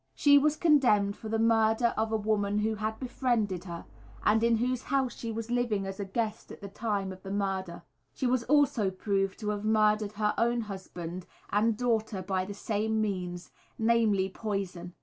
She was condemned for the murder of a woman who had befriended her, and in whose house she was living as a guest at the time of the murder. She was also proved to have murdered her own husband and daughter by the same means, namely, poison.